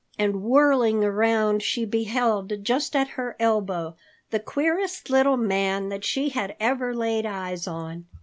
And whirling around, she beheld just at her elbow the queerest little man that she had ever laid eyes on.